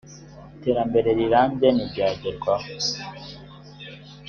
iterambere rirambye ntiryagerwaho